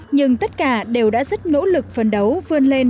nhưng tất cả đều đã rất nỗ lực phấn đấu vươn lên